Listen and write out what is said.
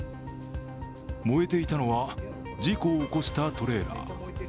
燃えていたのは、事故を起こしたトレーラー。